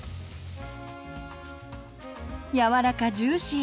やわらかジューシー。